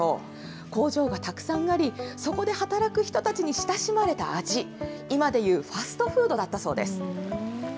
工場がたくさんあり、そこで働く人たちに親しまれた味、今でいうファストフードだったそうです。